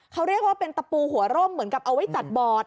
เขาเรียกว่าเป็นตะปูหัวร่มเหมือนกับเอาไว้จัดบอร์ด